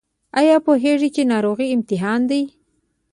ایا پوهیږئ چې ناروغي امتحان دی؟